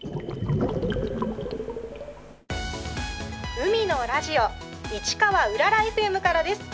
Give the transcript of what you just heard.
「海のラジオ」「市川うららＦＭ」からです。